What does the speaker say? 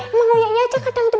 emang nguyeknya aja kadang tuh